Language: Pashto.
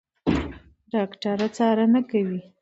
ډاکټره څارنه کوي.